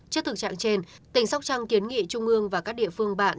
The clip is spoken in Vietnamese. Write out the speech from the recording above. trước thực trạng trên tỉnh sóc trăng kiến nghị trung ương và các địa phương bạn